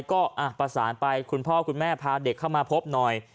ก็ประสานไปคุณพ่อคุณแม่พาเด็กเข้ามาพบหน่อย